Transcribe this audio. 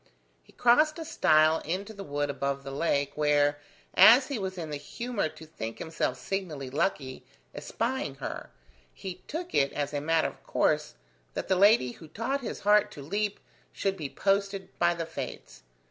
He crossed a stile into the wood above the lake, where, as he was in the humour to think himself signally lucky, espying her, he took it as a matter of course that the lady who taught his heart to leap should be posted by the Fates.